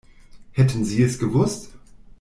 Hätten Sie es gewusst?